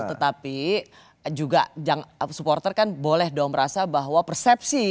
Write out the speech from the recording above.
tetapi juga supporter kan boleh dong merasa bahwa persepsi